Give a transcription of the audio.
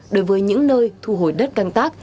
đối với những nơi thu hồi đất căng tác